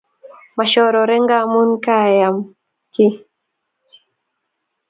Mashorore ngamun karaayam ki